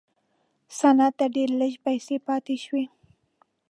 صنعت ته ډېرې لږې پیسې پاتې شوې.